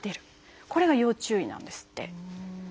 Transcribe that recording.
これが要注意なんですって。